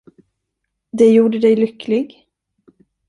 Det gjorde dig lycklig?